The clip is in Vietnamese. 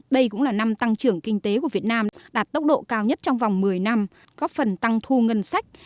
đây cũng là năm tăng trưởng kinh tế của việt nam đạt tốc độ cao nhất trong vòng một mươi năm góp phần tăng thu ngân sách